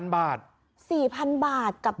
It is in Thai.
๔๐๐๐บาทกับ